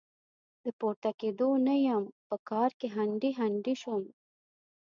د پورته کېدو نه يم؛ په کار کې هنډي هنډي سوم.